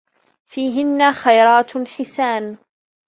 فِيهِنَّ خَيْرَاتٌ حِسَانٌ